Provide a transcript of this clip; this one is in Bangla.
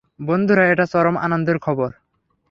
বন্ধুরা, এটা চরম আনন্দের খবর।